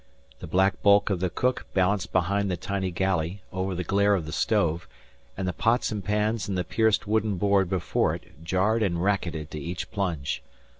The black bulk of the cook balanced behind the tiny galley over the glare of the stove, and the pots and pans in the pierced wooden board before it jarred and racketed to each plunge.